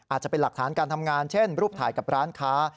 อาจจะเป็นหลักฐานการทำงานเช่นรูปถ่ายกับร้านค้า